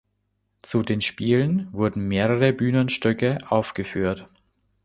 Zu den Spielen wurden mehrere Bühnenstücke aufgeführt.